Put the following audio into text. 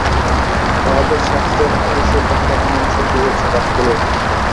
তাহাদের শাস্ত্রের আদেশেই তাহারা এমন সব বীভৎস কাজ করিয়া থাকে।